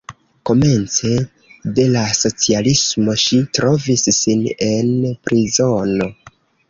Komence de la socialismo ŝi trovis sin en prizono.